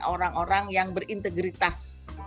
orang orang yang berintegritas